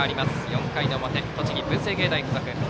４回の表、栃木・文星芸大付属。